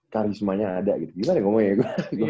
karismanya ada gitu gimana ya ngomongnya ya gue